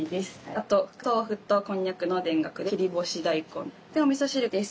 あととうふとこんにゃくの田楽切干大根でおみそ汁です。